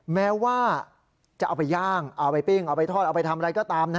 แม้ว่าจะเอาไปย่างเอาไปปิ้งเอาไปทอดเอาไปทำอะไรก็ตามนะ